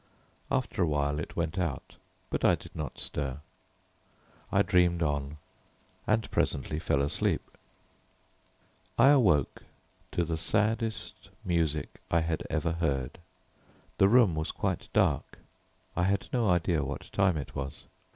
After a while it went out, but I did not stir. I dreamed on and presently fell asleep. I awoke to the saddest music I had ever heard. The room was quite dark, I had no idea what time it was.